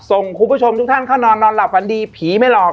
ส่งคุณผู้ชมทุกท่านเข้านอนนอนหลับฝันดีผีไม่หลอก